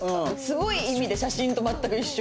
すごい意味で写真と全く一緒。